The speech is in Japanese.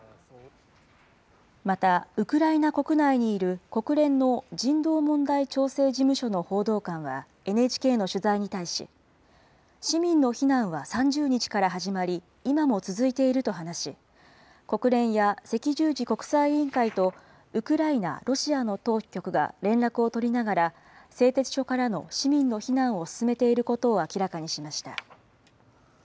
またウクライナ国内にいる国連の人道問題調整事務所の報道官は、ＮＨＫの取材に対し、市民の避難は３０日から始まり、今も続いていると話し、国連や赤十字国際委員会とウクライナ、ロシアの当局が連絡を取りながら、製鉄所からの市民の避難を進めていることを明らかにしました。